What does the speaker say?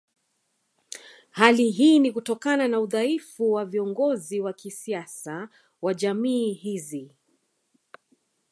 Hali hii ni Kutokana na udhaifu wa viongozi wa kisiasa wa jamii hizi